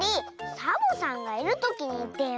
サボさんがいるときにいってよ。